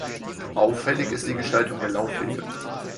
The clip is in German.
Auffällig ist die Gestaltung der Laufwege.